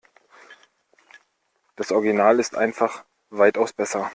Das Original ist einfach weitaus besser.